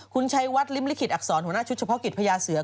คุณชัยวัดริมลิขิตอักษรหัวหน้าชุดเฉพาะกิจพญาเสือ